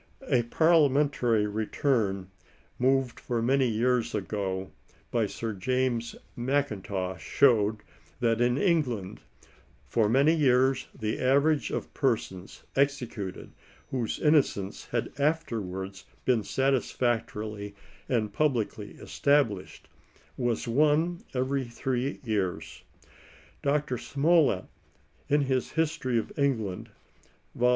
A Parliamentary return, moved for many years ago by Sir James Mackintosh, showed that in England, '* for many years, the average of persons executed whose innocence had afterwards been satisfactorily and publicly established, was one every three years. ^* Dr. Smollett, in his History of England, (vol.